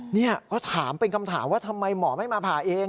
นี่ก็ถามเป็นคำถามว่าทำไมหมอไม่มาผ่าเอง